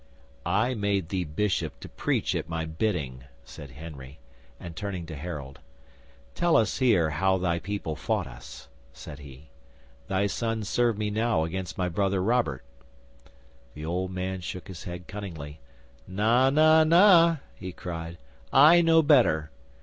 '"I made thee Bishop to preach at my bidding," said Henry; and turning to Harold, "Tell us here how thy people fought us?" said he. "Their sons serve me now against my Brother Robert!" 'The old man shook his head cunningly. "Na Na Na!" he cried. "I know better.